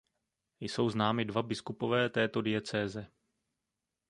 Jsou známy dva biskupové této diecéze.